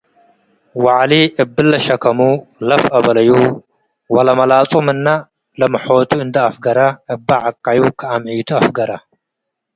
ወዐሊ እብለ ሸከሙ ለፍ አበለዩ፡ ወለመላጹ ምን ለመሖቱ እንዶ አፍገረ እበ ዐቀዩ ከአምዒቱ አፍገረ።